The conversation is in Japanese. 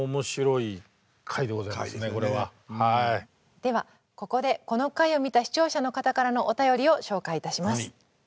ではここでこの回を見た視聴者の方からのお便りを紹介いたします。